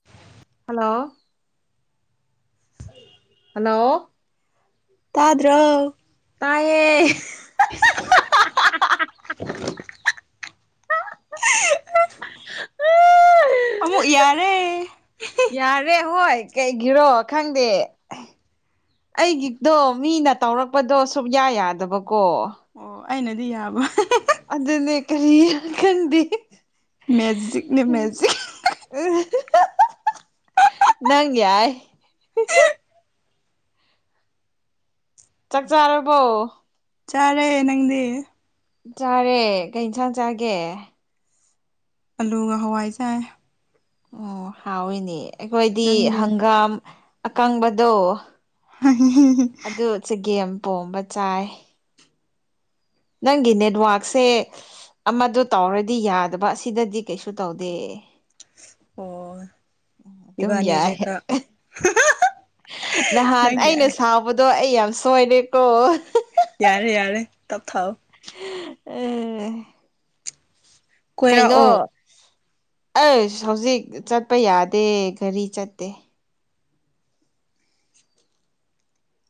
[inaudible] Hello hello ꯇꯥꯗ꯭ꯔ ꯇꯥꯏꯌꯦ [unintelligible] ꯑꯃꯨꯛ ꯌꯥꯔꯦ ꯌꯥꯔꯦ ꯍꯣꯏ ꯀꯩꯒꯤꯔꯣ ꯈꯪꯗꯦ ꯑꯩꯒꯤꯗꯣ ꯃꯤꯅ ꯇꯧꯔꯛꯄꯗꯣ ꯁꯨꯛꯌꯥ ꯌꯥꯗꯕꯀꯣ ꯑꯣ ꯑꯩꯅꯗꯤ ꯌꯥꯕꯣꯏ ꯑꯗꯨꯅꯦ ꯀꯔꯤ ꯈꯟꯗꯤ ꯃꯦꯖꯤꯛꯅꯦ ꯃꯦꯖꯤꯛ ꯎ ꯅꯪ ꯌꯥꯏ ꯆꯥꯛ ꯆꯥꯔꯕꯣ ꯆꯥꯔꯦ ꯅꯪꯗꯤ ꯆꯥꯔꯦ ꯀꯩ ꯏꯟꯁꯥꯡ ꯆꯥꯒꯦ ꯑꯥꯂꯨꯒ ꯍꯋꯥꯏꯖꯥꯏ ꯑꯣ ꯍꯥꯎꯋꯏꯅꯦ ꯑꯩꯈꯣꯏꯗꯤ ꯅꯪꯗꯤ ꯍꯪꯒꯥꯝ ꯑꯀꯪꯕꯗꯣ ꯍ ꯑꯗꯨ ꯆꯒꯦꯝ ꯄꯣꯝꯕ ꯆꯥꯏ ꯅꯪꯒꯤ ꯅꯦꯠꯋꯥꯛꯁꯦ ꯑꯃꯗ ꯇꯧꯔꯗꯤ ꯌꯥꯗꯕ ꯑꯁꯤꯗꯗꯤ ꯀꯩꯁꯨ ꯇꯧꯗꯦ ꯑꯣ ꯑꯗꯨꯝ ꯌꯥꯏ ꯏꯕꯥꯅꯤꯖꯦꯀꯥ ꯅꯍꯥꯟ ꯑꯩꯅ ꯁꯥꯎꯕꯗꯣ ꯑꯩ ꯌꯥꯝ ꯁꯣꯏꯔꯦꯀꯣ ꯌꯥꯔꯦ ꯌꯥꯔꯦ ꯇꯞ ꯊꯥꯎꯑꯣ ꯎ ꯀꯩꯅꯣ ꯀꯣꯏꯔꯛꯑꯣ ꯑꯩ ꯍꯧꯖꯤꯛ ꯆꯠꯄ ꯌꯥꯗꯦ ꯒꯥꯔꯤ ꯆꯠꯇꯦ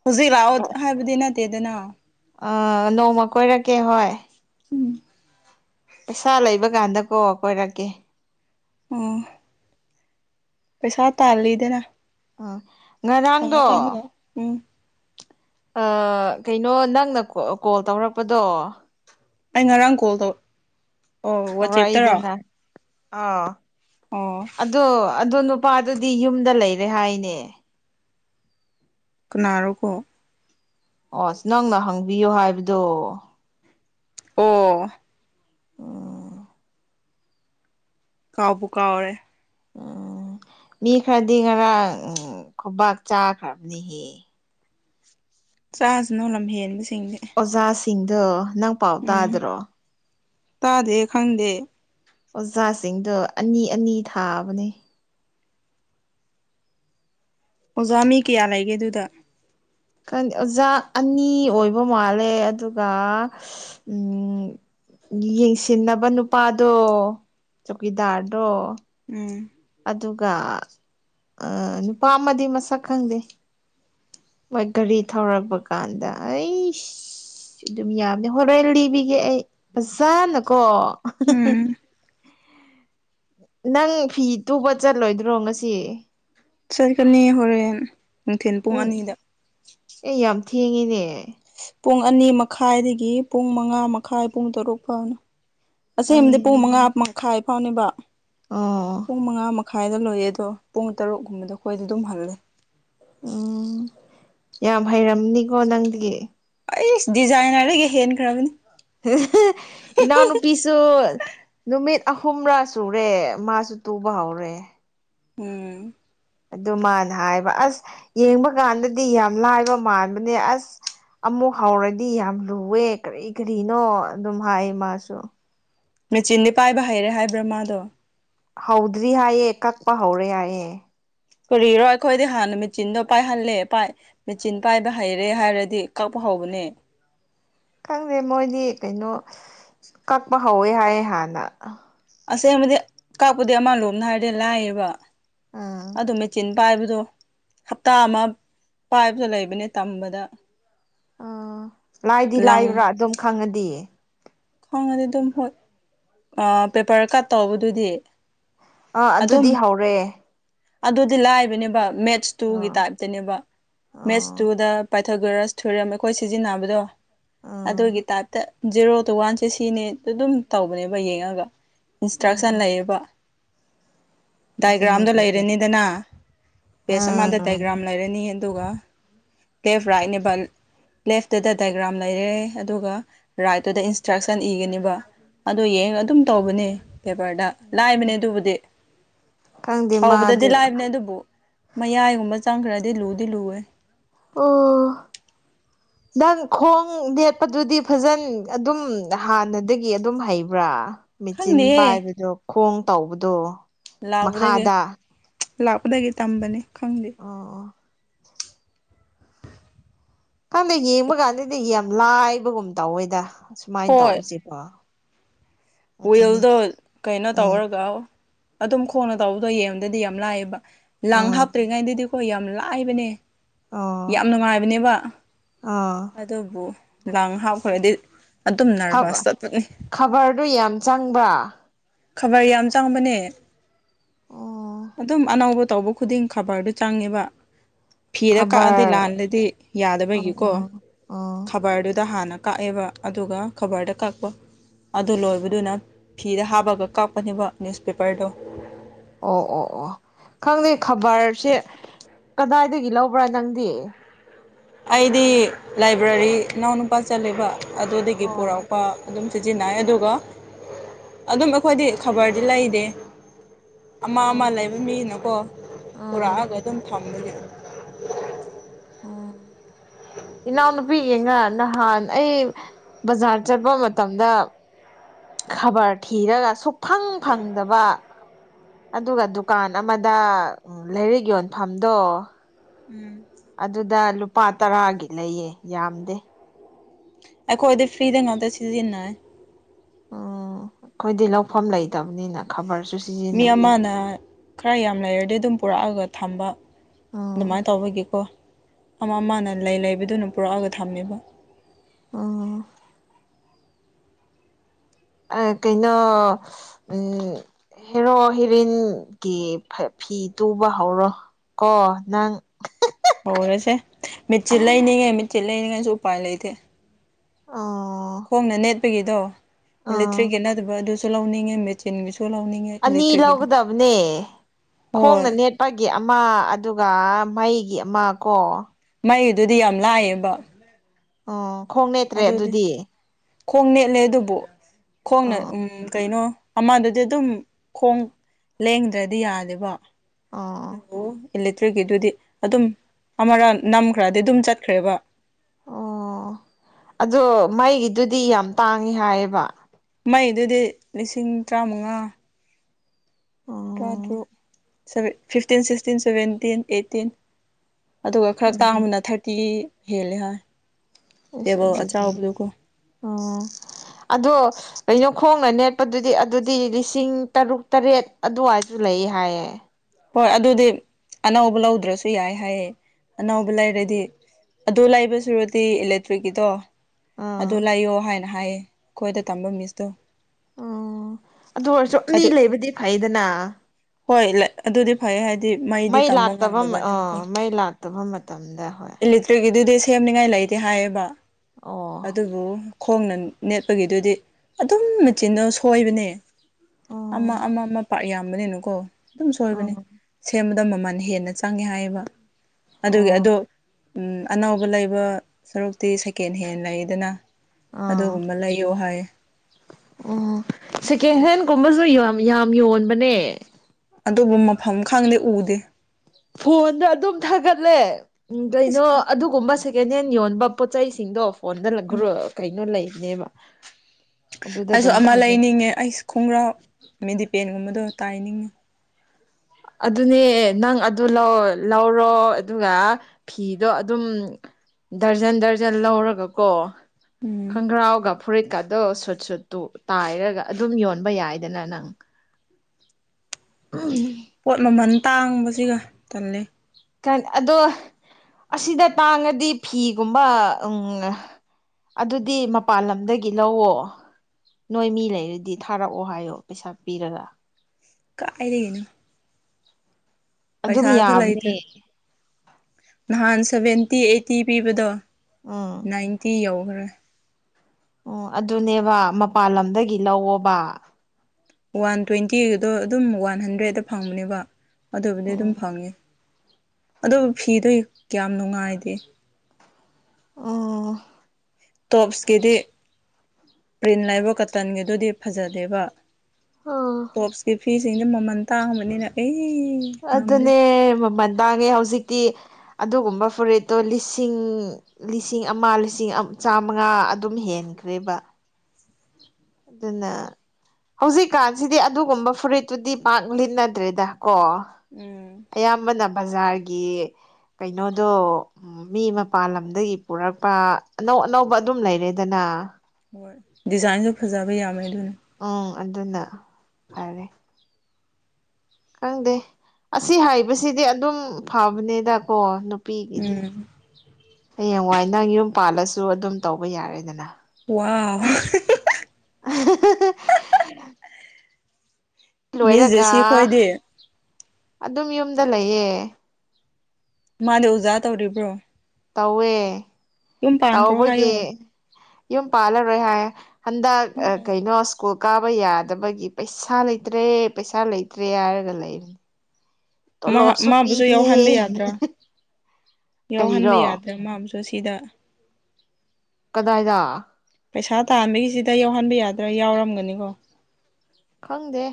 ꯍꯧꯖꯤꯛ ꯂꯥꯛꯑꯣ ꯍꯥꯏꯕꯗꯤ ꯅꯠꯇꯦꯗꯅ ꯑ ꯅꯣꯡꯃ ꯀꯣꯏꯔꯛꯀꯦ ꯍꯣꯏ ꯎꯝ ꯄꯩꯁꯥ ꯂꯩꯕ ꯀꯥꯟꯗꯀꯣ ꯀꯣꯏꯔꯛꯀꯦ ꯎꯝ ꯄꯩꯁꯥ ꯇꯥꯜꯂꯤꯗꯅ ꯑ ꯉꯔ ꯐꯉ ꯀꯥꯟꯗꯒ ꯎꯝ ꯀꯩꯅꯣ ꯅꯪꯅ ꯀꯣꯜ ꯇꯧꯔꯛꯄꯗꯣ ꯑꯩ ꯉꯔꯥꯡ ꯀꯣꯜ ꯇꯧ ꯑꯣ ꯋꯥꯆꯦꯞꯇꯔꯣ ꯇꯧꯔꯛꯏꯗꯅ ꯑꯥ ꯑꯣ ꯑꯗꯣ ꯑꯗꯣ ꯅꯨꯄꯥꯗꯨꯗꯤ ꯌꯨꯝꯗ ꯂꯩꯔꯦ ꯍꯥꯏꯅꯦ ꯀꯅꯥꯔꯣꯀꯣ ꯑꯣ ꯑꯁ ꯅꯪꯅ ꯍꯪꯕꯤꯌꯣ ꯍꯥꯏꯕꯗꯣ ꯑꯣ ꯎ ꯀꯥꯎꯕꯨ ꯀꯥꯎꯔꯦ ꯎꯝ ꯃꯤ ꯈꯔꯗꯤ ꯉꯔꯥꯡ ꯈꯨꯕꯥꯛ ꯆꯥꯈ꯭ꯔꯕꯅꯤꯍꯦ ꯆꯥꯁꯤꯅꯣ ꯂꯝꯍꯦꯟꯕꯁꯤꯡꯁ ꯑꯣꯖꯥꯁꯤꯡꯗꯣ ꯅꯪ ꯄꯥꯎ ꯇꯥꯗ꯭ꯔꯣ ꯇꯥꯗꯦ ꯈꯪꯗꯦ ꯑꯣꯖꯥꯁꯤꯡꯗꯣ ꯑꯅꯤ ꯑꯅꯤ ꯊꯥꯕꯅꯦ ꯑꯣꯖꯥ ꯃꯤ ꯀꯌꯥ ꯂꯩꯒꯦ ꯑꯗꯨꯗ ꯑꯣꯖꯥ ꯑꯅꯤ ꯑꯣꯏꯕ ꯃꯥꯜꯂꯦ ꯑꯗꯨꯒ ꯎ ꯌꯦꯡꯁꯤꯟꯅꯕ ꯅꯨꯄꯥꯗꯣ ꯆꯧꯀꯤꯗꯥꯔꯗꯣ ꯎꯝ ꯑꯗꯨꯒ ꯅꯨꯄꯥ ꯑꯃꯗꯤ ꯃꯁꯛ ꯈꯪꯗꯦ ꯃꯣꯏ ꯒꯥꯔꯤ ꯊꯧꯔꯛꯄ ꯀꯥꯟꯗ ꯑꯩ ꯑꯗꯨꯝ ꯌꯥꯝꯅꯤ ꯍꯣꯔꯦꯟ ꯂꯤꯕꯤꯒꯦ ꯑꯩ ꯐꯖꯥꯅꯀꯣ [inaudible] ꯅꯪ ꯐꯤ ꯇꯨꯕ ꯆꯠꯂꯣꯏꯗ꯭ꯔꯣ ꯉꯁꯤ ꯆꯠꯀꯅꯤ ꯍꯣꯔꯦꯟ ꯅꯨꯡꯊꯤꯟ ꯄꯨꯡ ꯑꯅꯤꯗ꯫ ꯑꯦ ꯌꯥꯝ ꯊꯦꯡꯉꯤꯅꯦ꯫ ꯄꯨꯡ ꯑꯅꯤ ꯃꯈꯥꯏꯗꯒꯤ ꯄꯨꯡ ꯃꯉꯥ ꯃꯈꯥꯏ ꯄꯨꯡ ꯇꯔꯨꯛ ꯐꯥꯎ ꯑꯃ ꯑꯁꯦꯡꯕꯗꯤ ꯑꯩ ꯄꯨꯡ ꯃꯉꯥ ꯃꯈꯥꯏ ꯐꯥꯎꯅꯦꯕ ꯑꯣ ꯄꯨꯡ ꯃꯉꯥ ꯈꯥꯥꯏꯗ ꯂꯣꯏꯌꯦ ꯑꯗꯣ ꯄꯨꯡ ꯇꯔꯨꯛꯀꯨꯝꯕꯗ ꯑꯩꯈꯣꯏꯗ ꯑꯗꯨꯝ ꯍꯜꯂꯦ꯫ ꯎꯝ ꯌꯥꯝ ꯍꯩꯔꯝꯅꯤꯀꯣ ꯅꯪꯗꯤ꯫ ꯑꯩꯁ ꯗꯤꯖꯥꯏꯟꯅꯔꯗꯒ ꯍꯦꯟꯈ꯭ꯔꯕꯅꯤ꯫ [unintelligible] ꯏꯅꯥꯎꯅ ꯅꯨꯄꯤꯁꯨ ꯅꯨꯃꯤꯠ ꯑꯍꯨꯝꯂꯛ ꯁꯨꯔꯦ ꯃꯥꯁꯨ ꯇꯨꯕ ꯍꯧꯔꯦ꯫ ꯎꯝ ꯑꯗꯨ ꯃꯥꯅ ꯍꯥꯏꯌꯦꯕ ꯑꯁ ꯌꯦꯡꯕ ꯀꯥꯟꯗꯗꯤ ꯌꯥꯝ ꯂꯥꯏꯕ ꯃꯥꯟꯕꯅꯦ ꯑꯁ ꯑꯃꯨꯛ ꯍꯥꯎꯔꯗꯤ ꯌꯥꯝ ꯂꯨꯑꯦ ꯀꯔꯤ ꯀꯔꯤꯅꯣ ꯑꯗꯨꯝ ꯍꯥꯏꯌꯦ ꯃꯥꯁꯨ꯫ ꯃꯦꯆꯤꯟꯗꯤ ꯄꯥꯏꯕ ꯍꯩꯔꯦ ꯍꯥꯏꯕ꯭ꯔꯥ ꯃꯥꯗꯣ꯫ ꯍꯧꯗ꯭ꯔꯤ ꯍꯥꯏꯌꯦ ꯀꯛꯄ ꯍꯧꯔꯦ ꯍꯥꯏꯌꯦ꯫ ꯀꯨꯔꯤꯔꯣ ꯑꯩꯈꯣꯏꯗꯤ ꯍꯥꯟꯅ ꯃꯦꯆꯤꯟꯗꯣ ꯄꯥꯏꯍꯜꯂꯦ ꯄꯥꯏ ꯃꯦꯆꯤꯟ ꯄꯥꯏꯕ ꯍꯩꯔꯦ ꯍꯥꯏꯔꯗꯤ ꯀꯛꯄ ꯍꯧꯕꯅꯦ꯫ ꯈꯪꯗꯦ ꯃꯣꯏꯗꯤ ꯀꯩꯅꯣ ꯀꯛꯄ ꯍꯧꯋꯦ ꯍꯥꯏꯌꯦ ꯍꯥꯟꯅ꯫ ꯑꯁꯦꯡꯕꯗꯤ ꯀꯥꯞꯄꯗꯤ ꯑꯃꯂꯣꯝꯗ ꯍꯥꯏꯔꯗꯤ ꯂꯥꯏꯌꯦꯕ꯫ ꯎꯝ ꯑꯗꯨ ꯃꯦꯆꯤꯟ ꯄꯥꯏꯕꯗꯣ ꯍꯞꯇꯥ ꯑꯃ ꯄꯥꯏꯕꯗ ꯂꯩꯕꯅꯦ ꯇꯝꯕꯗ꯫ ꯑꯣ ꯂꯥꯏꯗꯤ ꯂꯥꯏꯕ꯭ꯔꯥ ꯂꯪ ꯑꯗꯨꯝ ꯈꯪꯉꯗꯤ꯫ ꯈꯪꯉꯗꯤ ꯑꯗꯨꯝ ꯍꯣꯏ ꯑ ꯄꯦꯄꯔ ꯀꯠ ꯇꯧꯕꯗꯨꯗꯤ ꯑꯥ ꯑꯗꯨꯗꯤ ꯑꯗꯨꯝ ꯍꯧꯔꯦ꯫ ꯑꯗꯨꯗꯤ ꯂꯥꯏꯕꯅꯦꯕ ꯃꯦꯠꯁ ꯇꯨꯒꯤ ꯑꯥ ꯇꯥꯏꯞꯇꯅꯦꯕ ꯃꯦꯠꯁ ꯑꯥ ꯇꯨꯗ ꯄꯥꯏꯊꯣꯒꯔꯁ ꯊꯣꯏꯔꯦꯝ ꯑꯩꯈꯣꯏ ꯁꯤꯖꯤꯟꯅꯕꯗꯣ ꯑꯥ ꯑꯗꯨꯒꯤ ꯇꯥꯏꯞꯇ ꯖꯦꯔꯣ ꯇꯨ ꯋꯥꯟ ꯁꯦ ꯁꯤꯅꯦ ꯑꯗꯨꯝ ꯇꯧꯕꯅꯦꯕ ꯌꯦꯡꯉꯒ ꯏꯟꯁꯇ꯭ꯔꯛꯁꯟ ꯑꯥ ꯂꯩꯌꯦꯕ꯫ ꯑꯗꯨꯅꯦ ꯗꯥꯏꯒ꯭ꯔꯥꯝꯗꯣ ꯑꯗꯨ ꯂꯩꯔꯅꯤꯗꯅ ꯄꯦꯖ ꯑꯃꯗ ꯗꯥꯏꯒ꯭ꯔꯥꯝ ꯎꯝ ꯂꯩꯔꯅꯤ ꯑꯗꯨꯒ ꯂꯦꯐ ꯔꯥꯏꯠꯅꯦꯕꯜ ꯂꯦꯐꯇꯨꯗ ꯗꯥꯏꯒ꯭ꯔꯥꯝ ꯂꯩꯔꯦ ꯑꯗꯨꯒ ꯔꯥꯏꯠꯇꯨꯗ ꯏꯟꯁꯇ꯭ꯔꯛꯁꯟ ꯏꯒꯅꯤꯕ ꯑꯗꯣ ꯌꯦꯡꯉꯒꯥ ꯑꯗꯨꯝ ꯇꯧꯕꯅꯦ꯫ ꯇꯦꯕꯜꯗ ꯂꯥꯏꯕꯅꯦ ꯑꯗꯨꯕꯨꯗꯤ ꯈꯪꯗꯦ ꯍꯧꯕꯗꯗꯤ ꯃꯥꯗꯤ ꯂꯥꯏꯕꯅꯦ ꯑꯗꯨꯕꯨ ꯃꯌꯥꯏꯒꯨꯝꯕ ꯆꯡꯒ꯭ꯔꯗꯤ ꯂꯨꯗꯤ ꯂꯨꯋꯦ꯫ ꯑꯣꯥ [unintelligible] ꯅꯪ ꯈꯣꯡ ꯌꯦꯛꯄꯗꯨꯗꯤ ꯐꯖꯟ ꯑꯗꯨꯝ ꯍꯥꯟꯅꯗꯒꯤ ꯑꯗꯨꯝ ꯍꯩꯕ꯭ꯔꯥ꯫ ꯃꯦꯆꯤꯟ ꯈꯪꯗꯦꯍꯦ ꯄꯥꯏꯕꯗꯣ ꯈꯣꯡ ꯇꯧꯕꯗꯣ ꯂꯥꯎꯕꯗꯒꯤ ꯃꯈꯥꯗ ꯂꯥꯛꯄꯗꯒꯤ ꯇꯝꯕꯅꯤ ꯈꯪꯗꯦ꯫ ꯎꯝ ꯎꯝ ꯈꯪꯗ ꯌꯦꯡꯕ ꯀꯥꯟꯗꯗꯤ ꯌꯥꯝ ꯂꯥꯏꯕꯒꯨꯝ ꯇꯧꯋꯦꯗ ꯁꯨꯃꯥꯏꯅ ꯍꯣꯏ ꯇꯧꯕꯁꯦ ꯀꯣ꯫ ꯋꯤꯜꯗꯣ ꯀꯩꯅꯣ ꯎꯝ ꯇꯧꯔꯒ ꯑꯗꯨꯝ ꯈꯣꯡꯅ ꯇꯧꯕꯗꯣ ꯌꯦꯡꯕꯗꯗꯤ ꯌꯥꯝ ꯂꯥꯛꯑꯦꯕ ꯂꯡ ꯑꯥ ꯍꯥꯞꯇ꯭ꯔꯤꯉꯩꯗꯗꯤꯀꯣ ꯌꯥꯝ ꯂꯥꯏꯕꯅꯦ ꯑꯣ ꯌꯥꯝ ꯅꯨꯡꯉꯥꯏꯕꯅꯦꯕ ꯑꯥ ꯑꯗꯨꯕꯨ ꯂꯪ ꯍꯥꯞꯈ꯭ꯔꯗꯤ ꯑꯗꯨꯝ ꯈꯕ ꯅꯔꯚꯁ ꯆꯠꯄꯅꯤ꯫ ꯈꯕꯔꯗꯨ ꯌꯥꯝ ꯆꯪꯕ꯭ꯔꯥ꯫ ꯈꯕꯔ ꯌꯥꯝ ꯆꯪꯕꯅꯦ꯫ ꯑꯣ ꯑꯗꯨꯝ ꯑꯅꯧꯕ ꯇꯧꯕ ꯈꯨꯗꯤꯡ ꯈꯕꯔꯗꯨ ꯆꯪꯉꯦꯕ꯫ ꯐꯤꯗ ꯀꯛꯑꯗꯤ ꯈꯕꯔ ꯂꯜꯗꯗꯤ ꯑꯣ ꯌꯥꯗꯕꯒꯤꯀꯣ ꯑꯣ ꯑꯣ ꯈꯕꯔꯗꯨꯗ ꯍꯥꯟꯅ ꯀꯛꯑꯦꯕ ꯑꯗꯨꯒ ꯈꯕꯔꯗ ꯀꯛꯄ ꯑꯗꯨ ꯂꯣꯏꯕꯗꯨꯅ ꯐꯤꯗ ꯍꯥꯞꯄ ꯑꯗꯨꯒ ꯀꯥꯞꯄꯅꯦꯕ ꯅ꯭ꯌꯨꯁꯄꯦꯄꯔꯗꯣ꯫ ꯑꯣ ꯑꯣ ꯑꯣ ꯈꯪꯗꯦ ꯈꯕꯔꯁꯦ ꯀꯗꯥꯏꯗꯒꯤ ꯂꯧꯕ꯭ꯔꯥ ꯅꯪꯗꯤ꯫ ꯑꯩꯗꯤ ꯂꯥꯏꯕ꯭ꯔꯦꯔꯤ ꯏꯅꯥꯎꯅꯨꯄꯥ ꯆꯠꯂꯦꯕ ꯑꯗꯨꯗꯒꯤ ꯑꯣ ꯄꯨꯔꯛꯄ꯫ ꯑꯗꯨꯝ ꯁꯤꯖꯤꯟꯅꯩ ꯑꯗꯨꯒ ꯑꯗꯨꯝ ꯑꯈꯣꯏꯗꯤ ꯈꯕꯔꯗꯤ ꯂꯩꯗꯦ꯫ ꯑꯃ ꯑꯃ ꯑꯣ ꯂꯩꯕ ꯃꯤꯅꯀꯣ ꯎꯝ ꯄꯨꯔꯛꯑꯒ ꯑꯗꯨꯝ ꯊꯝꯕꯒꯤ꯫ [inaudible] ꯏꯅꯥꯎꯅꯨꯄꯤ ꯌꯦꯡꯉ ꯅꯍꯥꯟ ꯑꯩ ꯕꯖꯥꯔ ꯆꯠꯄ ꯃꯇꯝꯗ ꯈꯕꯔ ꯊꯤꯔꯒ ꯁꯨꯛꯐꯪ ꯐꯪꯗꯕ ꯑꯗꯨꯒ ꯗꯨꯀꯥꯟ ꯑꯃꯗ ꯂꯥꯏꯔꯤꯛ ꯌꯣꯟꯐꯝꯗꯣ꯫ ꯎꯝ ꯑꯗꯨꯗ ꯂꯨꯄꯥ ꯇꯔꯥꯒꯤ ꯂꯩꯌꯦ ꯌꯥꯝꯗꯦ꯫ ꯑꯩꯈꯣꯏꯗꯤ ꯐ꯭ꯔꯤꯗ ꯉꯛꯇꯥ ꯁꯤꯖꯤꯟꯅꯩ꯫ ꯎꯝ ꯑꯈꯣꯏꯗꯤ ꯂꯧꯐꯝ ꯂꯩꯇꯕꯅꯤꯅ ꯈꯕꯔꯁꯨ ꯃꯤ ꯁꯤꯖꯤꯟꯅꯗꯦ ꯑꯃꯅ ꯈꯔ ꯌꯥꯝ ꯂꯩꯔꯗꯤ ꯑꯗꯨꯝ ꯄꯨꯔꯛꯑꯒ ꯊꯝꯕ꯫ ꯎꯝ ꯑꯗꯨꯃꯥꯏꯅ ꯇꯧꯕꯒꯤꯀꯣ ꯑꯃ ꯑꯃꯅ ꯂꯩ ꯂꯩꯕꯗꯨꯅ ꯄꯨꯔꯛꯑꯒ ꯊꯝꯃꯦꯕ꯫ ꯎꯝ ꯑ ꯀꯩꯅꯣ ꯎꯝ ꯍꯦꯔꯣ ꯍꯦꯔꯤꯟꯒꯤ ꯐ ꯐꯤ ꯇꯨꯕ ꯍꯧꯔꯣ꯫ ꯀꯣ ꯅꯪ ꯍꯧꯔꯁꯦ ꯃꯤꯠꯆꯤꯠ ꯂꯩꯅꯤꯉꯦ ꯃꯤꯠꯆꯤꯠ ꯂꯩꯅꯤꯉꯥꯁꯨ ꯎꯄꯥꯏ ꯂꯩꯇꯦ꯫ ꯑꫭ ꯈꯣꯡꯅ ꯅꯦꯠꯄꯒꯤꯗꯣ ꯏꯂꯦꯛꯇ꯭ꯔꯤꯛꯀꯤ ꯅꯠꯇꯕ ꯑꯗꯨꯁꯨ ꯂꯧꯅꯤꯡꯉꯦ ꯃꯦꯆꯤꯟꯒꯤꯁꯨ ꯂꯧꯅꯤꯡꯉꯦ꯫ ꯑꯅꯤ ꯏꯂꯦꯛꯇ꯭ꯔꯤꯛꯀꯤꯗꯣ ꯂꯧꯒꯗꯕꯅꯦ ꯈꯣꯡꯅ ꯍꯣꯏ ꯅꯦꯠ ꯄꯒꯤ ꯑꯃ ꯑꯗꯨꯒ ꯃꯩꯒꯤ ꯑꯃ ꯀꯣ꯫ ꯃꯩꯒꯤꯗꯨꯗꯤ ꯌꯥꯝ ꯂꯥꯏꯌꯦꯕ꯫ ꯑꯣ ꯈꯣꯡ ꯅꯦꯠꯇ꯭ꯔꯦ ꯑꯗꯨꯗꯤ꯫ ꯈꯣꯡ ꯅꯦꯠꯂꯦ ꯑꯗꯨꯕꯨ ꯈꯣꯡꯅ ꯑꯣ ꯎꯝ ꯀꯩꯅꯣ ꯑꯃꯗꯨꯗꯤ ꯑꯗꯨꯝ ꯈꯣꯡ ꯂꯦꯡꯗ꯭ꯔꯗꯤ ꯌꯥꯗꯦꯕ꯫ ꯑꫭ ꯑꯗꯨꯕꯨ ꯏꯂꯦꯛꯇ꯭ꯔꯤꯛꯀꯤꯗꯨꯗꯤ ꯑꯗꯨꯝ ꯑꯃꯔꯛ ꯅꯝꯈ꯭ꯔꯗꯤ ꯑꯗꯨꯝ ꯆꯠꯈ꯭ꯔꯦꯕ꯫ ꯑꯣ ꯑꯗꯣ ꯃꯩꯒꯤꯗꯨꯗꯤ ꯌꯥꯝ ꯇꯥꯡꯉꯦ ꯍꯥꯏꯌꯦꯕ꯫ ꯃꯩꯒꯤꯗꯨꯗꯤ ꯂꯤꯁꯤꯡ ꯇ꯭ꯔꯥꯃꯉꯥ ꯑꯣ ꯇ꯭ꯔꯥꯇꯔꯨꯛ ꯐꯤꯐꯇꯤꯟ ꯁꯤꯛꯁꯇꯤꯟ ꯁꯕꯦꯟꯇꯤꯟ ꯑꯦꯠꯇꯤꯟ ꯑꯗꯨꯒ ꯈꯔ ꯎꯝ ꯇꯥꯡꯕꯅ ꯊꯥꯔꯇꯤ ꯍꯦꯜꯂꯦ ꯍꯥꯏ ꯇꯦꯕꯜ ꯑꯆꯥꯎꯕꯗꯨꯀꯣ꯫ ꯥꫭꯑꫭ ꯑꯗꯣ ꯀꯩꯅꯣ ꯈꯣꯡꯅ ꯅꯦꯠꯄꯗꯨꯗꯤ ꯑꯗꯨꯗꯤ ꯂꯤꯁꯤꯡ ꯇꯔꯨꯛ ꯇꯔꯦꯠ ꯑꯗꯨꯋꯥꯏꯁꯨ ꯂꯩꯌꯦ ꯍꯥꯏꯌꯦ꯫ ꯍꯣꯏ ꯑꯗꯨꯗꯤ ꯑꯅꯧꯕ ꯂꯧꯗ꯭ꯔꯁꯨ ꯌꯥꯏ ꯍꯥꯏꯌꯦ ꯑꯅꯧꯕ ꯂꯩꯔꯗꯤ꯫ ꯑꯗꯨ ꯂꯩꯕ ꯁꯨꯔꯗꯤ ꯏꯂꯦꯛꯇ꯭ꯔꯤꯛꯀꯤꯗꯣ ꯑꯥ ꯑꯗꯨ ꯂꯩꯥꯌꯣ ꯍꯥꯏꯅ ꯍꯥꯏꯌꯦ ꯑꯈꯣꯏꯗ ꯇꯝꯕ ꯃꯤꯁꯇꯣ꯫ ꯑꯣ ꯑꯗꯨ ꯑꯣꯏꯔꯁꯨ ꯑꯅꯤ ꯑꯗꯨ ꯂꯩꯕꯗꯤ ꯐꯩꯗꯅ꯫ ꯍꯣꯏ ꯂꯩ ꯑꯗꯨꯗꯤ ꯐꯩꯌꯦ ꯍꯥꯏꯗꯤ ꯃꯩꯗꯤ ꯇꯝꯕ ꯉꯝꯗꯕꯅꯤꯅꯀꫭ꯫ ꯇꯝꯕ ꯃꯇꯝꯗ ꯍꯣꯏ꯫ ꯏꯂꯦꯛꯇ꯭ꯔꯤꯛꯀꯤꯗꯨꯗꯤ ꯁꯦꯝꯅꯤꯡꯉꯥꯏ ꯂꯩꯇꯦ ꯍꯥꯏꯌꯦꯕ ꯑꯣ ꯑꯗꯨꯕꯨ ꯈꯣꯡꯅ ꯅꯦꯠꯄꯒꯤꯗꯨꯗꯤ ꯑꯗꯨꯝ ꯃꯦꯆꯤꯟꯗꯣ ꯁꯣꯏꯕꯅꯦ꯫ ꯑꯣ ꯑꯃ ꯑꯃ ꯑꯃ ꯄꯥꯠ ꯌꯥꯝꯕꯅꯤꯅꯀꯣ ꯑꯗꯨꯝ ꯁꯣꯏꯕꯅꯤ ꯑꯥ ꯁꯦꯝꯕꯗ ꯃꯃꯜ ꯍꯦꯟꯅ ꯆꯪꯉꯦ ꯍꯥꯏꯌꯦꯕ ꯑꯗꯨꯒꯤ ꯑꯣ ꯑꯗꯣ ꯑꯅꯧꯕ ꯂꯩꯕ ꯁꯔꯨꯛꯇꯤ ꯁꯦꯀꯦꯟ ꯍꯦꯟ ꯂꯩꯗꯅ ꯑꯥ ꯑꯗꯨꯒꯨꯝꯕ ꯂꯩꯌꯣ ꯍꯥꯏ ꯑꯣ ꯁꯦꯀꯦꯟ ꯍꯦꯟꯒꯨꯝꯕꯖꯨ ꯌꯥꯝ ꯌꯥꯝ ꯌꯣꯟꯕꯅꯦ ꯑꯗꯨꯕꯨ ꯃꯐꯝ ꯈꯪꯗꯦ ꯎꯗꯦ ꯐꯣꯟꯗ ꯑꯗꯨꯝ ꯊꯥꯒꯠꯂꯦ ꯎꯝ ꯏꯁ ꯗꯩꯅꯣ ꯎꯝ ꯑꯗꯨ ꯀꯣꯝꯕ ꯁꯦꯀꯦꯟ ꯍꯦꯟ ꯌꯣꯟꯕ ꯄꯣꯠꯆꯩꯁꯤꯡꯗꯣ ꯐꯣꯟꯗ ꯂꯛꯒꯨꫪꯨ ꯀꯩꯅꯣ ꯂꯩꯕꯅꯦꯕ ꯑꯗꯨꯗ ꯑꯩꯁꯣ ꯑꯗꯨꯝ ꯑꯃ ꯊꯥꯒꯠ ꯂꯩꯅꯤꯡꯉꯦ ꯑꯩꯁ ꯈꯣꯡꯒ꯭ꯔꯥꯎ ꯃꯦꯗꯤꯄꯦꯟꯒꯨꯝꯕꯗꯣ ꯇꯥꯏꯅꯤꯡꯉꯦ ꯑꯗꯨꯅꯦ ꯅꯪ ꯑꯗꯨ ꯂꯧ-ꯂꯧꯔꯣ ꯑꯗꯨꯒ ꯐꯤꯗꯣ ꯑꯗꯨꯝ ꯗꯔꯖꯟ ꯗꯔꯖꯟ ꯂꯧꯔꯒ ꯀꯣ ꯎꯝ ꯈꯪꯒ꯭ꯔꯥꯎꯒ ꯐꯨꯔꯤꯠꯀꯥꯗꯣ ꯁꯨꯠ ꯁꯨꯠꯇꯨ ꯇꯥꯏꯔꯒ ꯑꯗꯨꯝ ꯌꯣꯟꯕ ꯌꯥꯏꯗꯅ ꯅꯪ ꯎꯝ ꯄꯣꯠ ꯃꯃꯟ ꯇꯥꯡꯕꯁꯤꯒ ꯇꯜꯂꯦ ꯈꯟ ꯑꯗꯣ ꯑꯁꯤꯗ ꯇꯥꯡꯉꯗꯤ ꯐꯤꯒꯨꯝꯕ ꯎꯡ ꯑꯗꯨꯗꯤ ꯃꯄꯥꯟꯂꯝꯗꯒꯤ ꯂꯧꯋꯣ ꯅꯣꯏ ꯃꯤ ꯂꯩꯔꯗꯤ ꯊꯥꯔꯛꯑꯣ ꯍꯥꯏꯌꯣ ꯄꯩꯁꯥ ꯄꯤꯔꯒ ꯀ-ꯑꯥꯏꯗꯒꯤꯅꯣ ꯑꯗꯨꯝ ꯄꯩꯁꯥꯖꯣ ꯂꯩꯇ꯭ꯔꯦ ꯌꯥꯕꯅꯦ ꯅꯍꯥꯟ ꯁꯚꯦꯟꯇꯤ ꯑꯩꯠꯇꯤ ꯄꯤꯕꯗꯣ ꯑ ꯅꯥꯏꯟꯇꯤ ꯌꯧꯒꯔ ꯑꯣ ꯑꯗꯨꯅꯦꯕꯥ ꯃꯄꯥꯜꯂꯝꯗꯒꯤ ꯂꯧꯋꯣꯕꯥ ꯋꯥꯟ ꯇ꯭ꯋꯦꯟꯇꯤꯒꯗꯣ ꯑꯗꯨꯝ ꯋꯥꯟ ꯍꯟꯗ꯭ꯔꯦꯗꯇ ꯐꯪꯕꯅꯦꯕꯥ ꯑꯗꯨꯕꯨꯗꯤ ꯑꯗꯨꯝ ꯎꯝ ꯐꯪꯉꯤ ꯑꯗꯨꯕꯨ ꯐꯤꯗꯨꯏ ꯀꯌ꯭ꯥꯝ ꯅꯨꯡꯉꯥꯏꯗꯦ ꯑꯣ ꯇꯣꯞꯁꯀꯤꯗꯤ ꯄ꯭ꯔꯤꯟꯅꯥꯏꯕ ꯀꯇꯟꯒꯤꯗꯨꯗꯤ ꯐꯖꯗꯦꯕꯥ ꯎꯝ ꯇꯣꯞꯁꯀꯤ ꯐꯤꯁꯤꯡꯗꯤ ꯃꯃꯟ ꯇꯥꯡꯕꯅꯤꯅꯥ ꯑꯩ ꯉꯝꯗꯦ ꯑꯗꯨꯅꯦ ꯃꯃꯟ ꯇꯥꯡꯉꯦ ꯍꯧꯖꯤꯛꯇꯤ ꯑꯗꯨꯒꯨꯝꯕ ꯐꯨꯔꯤꯠꯇꯣ ꯂꯤꯁꯤꯡ ꯂꯤꯁꯤꯡ ꯑꯃꯥ ꯂꯤꯁꯤꯡ ꯑꯝ ꯆꯥꯃꯉꯥ ꯑꯗꯨꯝ ꯍꯦꯟꯈ꯭ꯔꯦꯕꯥ ꯑꯗꯨꯅ ꯍꯧꯖꯤꯛꯀꯥꯟꯁꯤꯗꯤ ꯑꯗꯨꯒꯨꯝꯕ ꯐꯨꯔꯤꯠꯇꯨꯗꯤ ꯄꯥꯛ ꯂꯤꯠꯅꯗ꯭ꯔꯦꯗ ꯀꯣ ꯎꯝ ꯑꯃꯅ ꯕꯖꯥꯔꯒꯤ ꯀꯩꯅꯣꯗꯣ ꯃꯤ ꯃꯄꯥꯜꯂꯝꯗꯒꯤ ꯄꯨꯔꯛꯄ ꯑꯅꯧ-ꯑꯅꯧꯕ ꯑꯗꯨꯝ ꯂꯩꯔꯦꯗꯅꯥ ꯗꯤꯖꯥꯏꯟꯁꯨ ꯐꯖꯕ ꯌꯥꯝꯃꯦ ꯑꯗꯨꯅ ꯎꯡ ꯑꯗꯨꯅ ꯐꯔꯦ ꯈꯪꯗꯦ ꯑꯁꯤ ꯍꯥꯏꯕꯁꯤꯗꯤ ꯑꯗꯨꯝ ꯐꯕꯅꯦꯗ ꯀꯣ ꯅꯨꯄꯤꯒꯤꯗꯤ ꯎꯝ ꯍꯌꯦꯡꯋꯥꯏ ꯅꯪ ꯌꯨꯝ ꯄꯥꯜꯂꯁꯨ ꯑꯗꯨꯝ ꯇꯧꯕ ꯌꯥꯔꯦꯗꯅ ꯋꯥꯎ [unintelligible] ꯃꯤꯁ ꯂꯣꯏꯔꯒꯥ ꯖꯦꯁꯤ ꯈꯣꯏꯗꯤ ꯑꯗꯨꯝ ꯌꯨꯝꯗ ꯂꯩꯌꯦ ꯃꯥꯗꯤ ꯎꯖꯥ ꯇꯧꯔꯤꯕ꯭ꯔꯣ ꯇꯧꯋꯦ ꯌꯨꯝ ꯄꯥꯟꯈ꯭ꯔꯣ ꯍꯥꯏꯌꯣ ꯇꯧꯕꯒꯤ ꯌꯨꯝ ꯄꯥꯜꯂꯔꯣꯏ ꯍꯥꯏꯌꯦ ꯍꯟꯗꯛ ꯑ ꯀꯩꯅꯣ ꯀꯨꯜ ꯀꯥꯕ ꯌꯥꯗꯕꯒꯤ ꯄꯩꯁꯥ ꯂꯩꯇ꯭ꯔꯦ ꯄꯩꯁꯥ ꯂꯩꯇ꯭ꯔꯦ ꯍꯥꯏꯔꯒ ꯂꯩ ꯃꯥ-ꯃꯥꯕꯨꯁꯨ ꯌꯥꯎꯍꯟꯕ ꯌꯥꯗ꯭ꯔꯥ ꯌꯥꯎꯍꯟꯕ ꯀꯔꯤꯔꯣ ꯌꯥꯗ꯭ꯔꯥ ꯃꯥꯕꯨꯁꯨ ꯇꯨ ꯁꯤꯗ ꯀꯗꯥꯏꯗꯥ ꯄꯩꯁꯥ ꯇꯥꯥꯟꯕꯩꯁꯤꯗ ꯌꯥꯎꯍꯟꯕ ꯌꯥꯗ꯭ꯔꯥ ꯌꯥꯎꯔꯝꯒꯅꯤꯀꯣ ꯈꯪꯗꯦ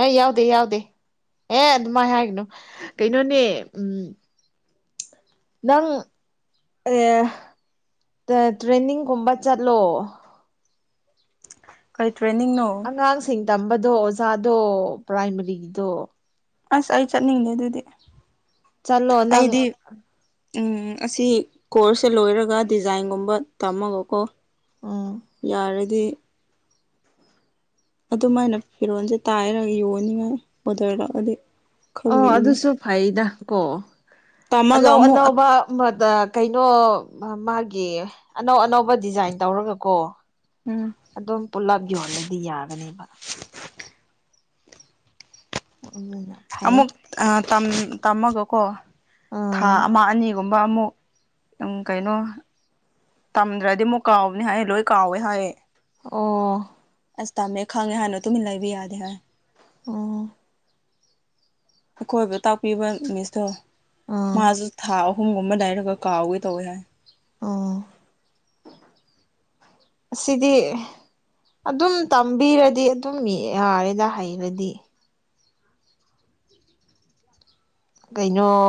ꯑꯩ ꯌꯥꯎꯗꯦ-ꯌꯥꯎꯗꯦ ꯑꯦ ꯑꯗꯨꯃꯥꯏ ꯍꯥꯏꯒꯅꯨ ꯀꯩꯅꯣꯅꯦ ꯎꯝ- ꯅꯪ ꯑꯦ ꯇ-ꯇ꯭ꯔꯦꯅꯤꯡꯒꯨꯝꯕ ꯆꯠꯂꯣ ꯀꯩ ꯇ꯭ꯔꯦꯅꯤꯡꯅꯣ? ꯉꯥꯡꯁꯤꯡ ꯇꯝꯕꯗꯣ ꯑꯣꯖꯥꯗꯣ ꯄ꯭ꯔꯥꯏꯃꯔꯤꯒꯤꯗꯣ ꯑꯁ ꯑꯩ ꯆꯠꯅꯤꯡꯗꯦ ꯑꯗꯨꯗꯤ ꯆꯠꯂꯣ ꯅꯪ ꯑꯩꯗꯤ- ꯎꯝ- ꯑꯁꯤ ꯀꯣꯔꯁꯁꯦ ꯂꯣꯏꯔꯒ ꯗꯤꯖꯥꯏꯟꯒꯨꯝꯕ ꯇꯝꯃꯒꯀꯣ ꯎꯝ [inaudible] ꯌꯥꯔꯗꯤ ꯑꯗꯨꯃꯥꯏꯅ ꯐꯤꯔꯣꯜꯁꯦ ꯇꯥꯏꯔꯒ ꯌꯣꯟꯅꯤꯉꯥꯏ ꯑꯣꯗꯔ ꯂꯥꯛꯑꯗꯤ ꯎꯝ ꯈꯜꯂꯤꯕꯅꯤ ꯑꯗꯨꯁꯨ ꯐꯩꯗ ꯀꯣ ꯇꯝꯃꯒ ꯑꯅꯧ ꯑꯃꯨꯛ ꯑꯅꯧꯕ ꯃꯗꯥ ꯀꯩꯅꯣ ꯃꯥꯒꯤ ꯑꯅꯧ ꯑꯅꯧꯕ ꯗꯤꯖꯥꯏꯟ ꯇꯧꯔꯒꯀꯣ ꯎꯝ ꯑꯗꯨꯝ ꯄꯨꯂꯞ ꯌꯣꯍꯜꯂꯗꯤ ꯌꯥꯒꯅꯦꯕ [unintelligible] ꯑꯃꯨꯛ ꯑ ꯇꯝ ꯇꯝꯃꯒꯀꯣ ꯊꯥ ꯑꯥ ꯑꯃ ꯑꯅꯤꯒꯨꯝ ꯒꯨꯝꯕꯥ ꯑꯃꯨꯛ ꯗꯨꯝ ꯀꯩꯅꯣ ꯇꯝꯗ꯭ꯔꯗꯤ ꯑꯃꯨꯛ ꯀꯥꯎꯕꯅꯤ ꯍꯥꯏꯌꯦ ꯂꯣꯏ ꯀꯥꯎꯋꯦ ꯍꯥꯏꯌꯦ ꯑꯣ ꯑꯁ ꯇꯝꯃꯦ ꯈꯪꯉꯦ ꯍꯥꯏꯅ ꯇꯨꯃꯤꯟ ꯂꯩꯕ ꯌꯥꯗꯦ ꯍꯥꯏ ꯑꯝ ꯑꯩꯈꯣꯏꯕꯨ ꯇꯥꯛꯄꯤꯕ ꯃꯤꯁꯇꯣ ꯎꯝ ꯃꯥꯖꯨ ꯊꯥ ꯑꯍꯨꯝꯒꯨꯝꯕ ꯂꯩꯔꯒ ꯀꯥꯎꯒꯦ ꯇꯧꯋꯦ ꯍꯥꯏ ꯑꯝ [inaudible] ꯑꯁꯤꯗꯤ ꯑꯗꯨꯝ ꯇꯝꯕꯤꯔꯗꯤ ꯑꯗꯨꯝ ꯌꯥꯔꯦꯗ ꯍꯩꯔꯗꯤ ꯀꯩꯅꯣ